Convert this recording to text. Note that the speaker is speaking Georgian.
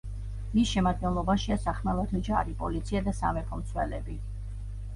მის შემადგენლობაშია სახმელეთო ჯარი, პოლიცია და სამეფო მცველები.